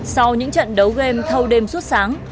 sau những trận đấu game thâu đêm suốt sáng